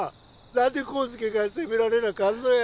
何で康介が責められなあかんのや